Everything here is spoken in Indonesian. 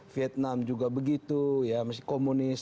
vietnam juga begitu ya masih komunis